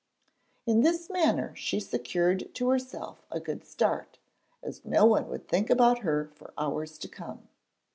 In this manner she secured to herself a good start, as no one would think about her for hours to come.